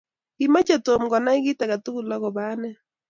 Ki machei Tom konai kit age tugul akopo ane